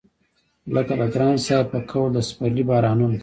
لکه د ګران صاحب په قول د سپرلي بارانونه